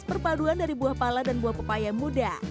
perpaduan dari buah pala dan buah pepaya muda